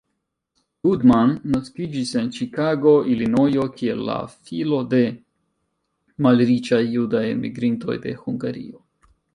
Goodman naskiĝis en Ĉikago, Ilinojo kiel la filo de malriĉaj judaj enmigrintoj de Hungario.